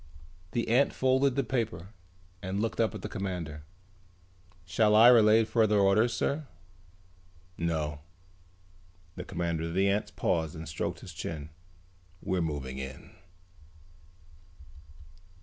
The ant folded the paper and looked up at the commander. "Shall I relay further orders, sir?" "No." The commander of the ants paused and stroked his chin. "We're moving in."